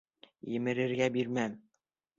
Емерергә бирмәм!